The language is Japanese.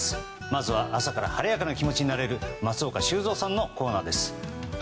まずは朝から晴れやかな気持ちになれる松岡修造さんのコーナーです。